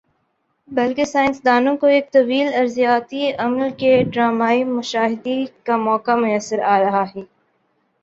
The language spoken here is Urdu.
بلکہ سائنس دانوں کو ایک طویل ارضیاتی عمل کی ڈرامائی مشاہدی کا موقع میسر آرہا ہی۔